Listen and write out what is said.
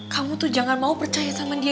kamu tuh jangan mau percaya sama dia